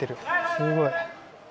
すごい。